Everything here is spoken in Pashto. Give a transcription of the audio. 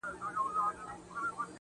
هغسې مې ساز لېونے، مست نظر مستولے شى